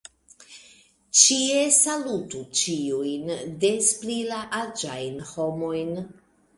Ĉie salutu ĉiujn, des pli la aĝajn homojn.